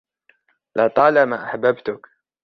لطالما أحببتك.